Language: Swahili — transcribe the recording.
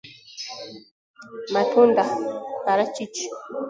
matunda (parachichi)